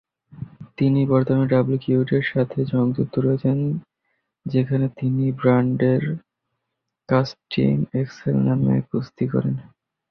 তিনি বর্তমানে ডাব্লিউডাব্লিউইর সাথে সংযুক্ত রয়েছেন, যেখানে তিনি র ব্র্যান্ডে কার্টিস এক্সেল নামে কুস্তি করেন।